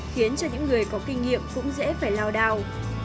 khiến cho những người có kinh nghiệm cũng dễ phải lao đào